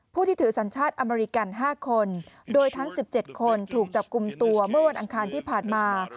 ที่ถือสัญชาติอเมริกัน๕คนโดยทั้ง๑๗คนถูกจับกลุ่มตัวเมื่อวันอังคารที่ผ่านมา